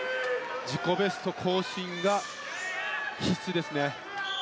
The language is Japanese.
自己ベスト更新が必須です。